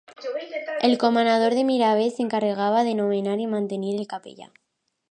El comanador de Miravet s'encarregava de nomenar i mantenir al capellà.